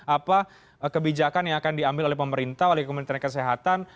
apa kebijakan yang akan diambil oleh pemerintah oleh kementerian kesehatan